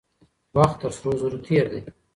وخت تر سرو زرو تېر دی.